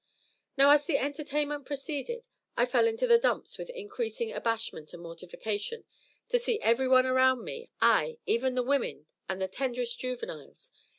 Now as the entertainment proceeded, I fell into the dumps with increasing abashment and mortification to see everyone around me, ay, even the women and the tenderest juveniles!